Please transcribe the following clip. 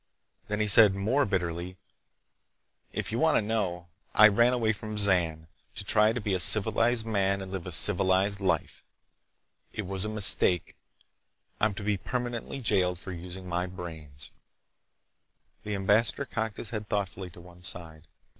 Then he said more bitterly: "If you want to know, I ran away from Zan to try to be a civilized man and live a civilized life. It was a mistake! I'm to be permanently jailed for using my brains!" The ambassador cocked his head thoughtfully to one side.